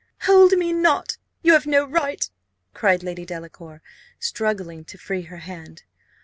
"Hold me not you have no right," cried Lady Delacour, struggling to free her hand.